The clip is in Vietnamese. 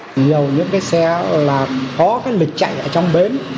thì nhiều những cái xe là có cái lịch chạy ở trong bến